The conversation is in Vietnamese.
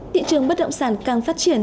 thị trường bất động sản càng phát triển